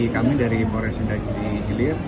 kami dari borese dan jelir